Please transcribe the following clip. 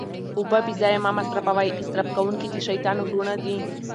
اوبه بې ځایه مه مصرفوئ، اسراف کونکي د شيطان وروڼه دي